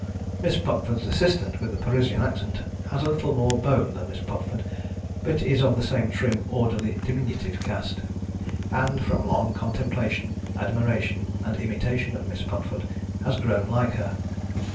Miss Pupford's assistant with the Parisian accent has a little more bone than Miss Pupford, but is of the same trim orderly diminutive cast, and, from long contemplation, admiration, and imitation of Miss Pupford, has grown like her.